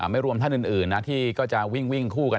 ไม่รวมท่านอื่นนะที่ก็จะวิ่งคู่กัน